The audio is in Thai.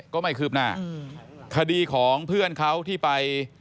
ก็ไม่คืบหน้าคดีของเพื่อนเขาที่ไป